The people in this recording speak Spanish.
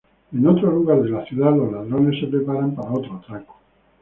En otro lugar de la ciudad, los ladrones se preparan para otro atraco.